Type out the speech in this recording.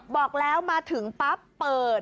บอกแล้วมาถึงปั๊บเปิด